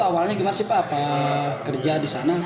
itu awalnya gimana sih pak apa kerja di sana